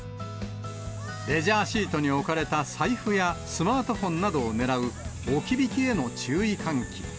レジャーシートに置かれた財布やスマートフォンなどを狙う置き引きへの注意喚起。